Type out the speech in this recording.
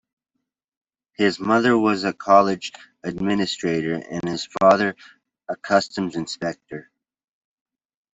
His mother was a college administrator and his father a customs inspector.